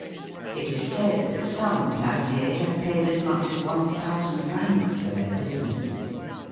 It is said that some placiers have paid as much as 1,000 francs for their business.